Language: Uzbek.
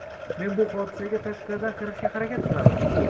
men bu hodisaga “tashqaridan” qarashga harakat qilaman